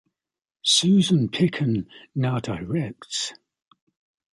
Susan Picken now directs.